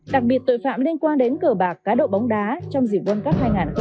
đặc biệt tội phạm liên quan đến cờ bạc cá độ bóng đá trong dịp quân cấp hai nghìn hai mươi hai